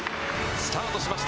スタートしました。